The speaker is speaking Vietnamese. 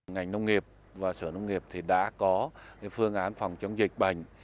ngành nông nghiệp và sở nông nghiệp thì đã có phương án phòng chống dịch bệnh